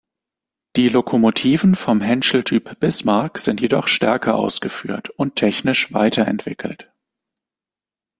Die Lokomotiven vom Henschel-Typ Bismarck sind jedoch stärker ausgeführt und technisch weiterentwickelt.